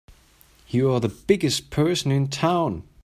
You're the biggest person in town!